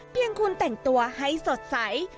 เพียงคุณแต่งตัวให้สดใส